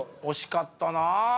惜しかったなぁ。